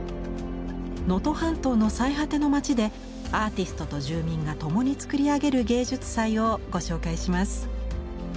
能登半島の最果ての町でアーティストと住民が共につくり上げる芸術祭をご紹介します。